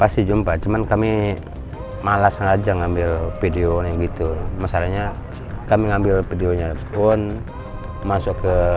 kasih jumpa cuma kami malas aja ngambil video yang gitu masalahnya kami ngambil videonya pun masuk ke